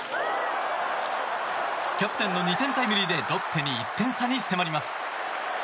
キャプテンの２点タイムリーでロッテに１点差に迫ります。